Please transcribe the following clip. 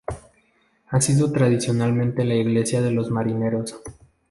Ha sido tradicionalmente la iglesia de los marineros.